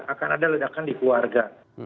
akan ada ledakan di keluarga